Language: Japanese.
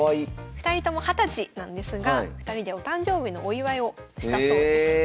２人とも２０歳なんですが２人でお誕生日のお祝いをしたそうです。